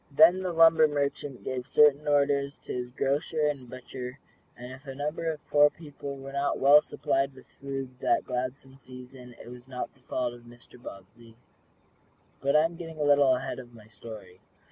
Then the lumber merchant gave certain orders to his grocer and butcher, and if a number of poor people were not well supplied with food that gladsome season, it was not the fault of Mr. Bobbsey. But I am getting a little ahead of my story.